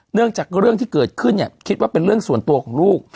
เรื่องจากเรื่องที่เกิดขึ้นเนี่ยคิดว่าเป็นเรื่องส่วนตัวของลูก